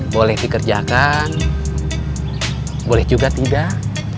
boleh dikerjakan boleh juga tidak